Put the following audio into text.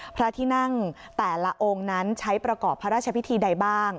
พระที่นั่งแต่ละองค์นั้นใช้ประกอบพระราชพิธีใดบ้าง